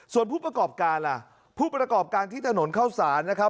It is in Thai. ส่วนผู้ประกอบการล่ะผู้ประกอบการที่ถนนเข้าสารนะครับ